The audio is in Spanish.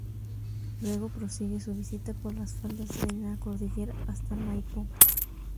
Luego prosigue su visita por las faldas de la cordillera hasta Maipo.